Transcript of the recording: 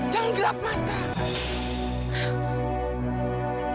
jangan gelap mata